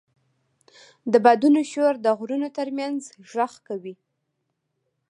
د بادونو شور د غرونو تر منځ غږ کوي.